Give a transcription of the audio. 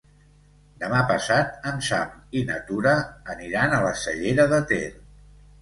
Demà passat en Sam i na Tura aniran a la Cellera de Ter.